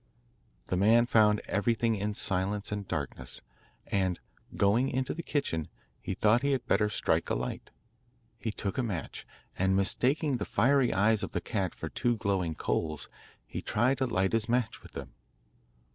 The man found everything in silence and darkness, and going into the kitchen he thought he had better strike a light. He took a match, and mistaking the fiery eyes of the cat for two glowing coals, he tried to light his match with them.